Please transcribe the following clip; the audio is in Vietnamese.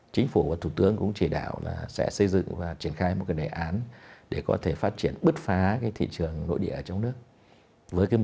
chính phủ và thủ tướng cũng chỉ đạo sẽ xây dựng và triển khai một đề án để có thể phát triển bứt phá thị trường nội địa ở trong nước